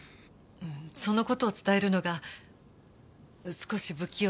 その事を伝えるのが少し不器用だっただけ。